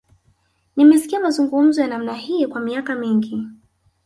Nimesikia mazungumzo ya namna hii kwa miaka mingi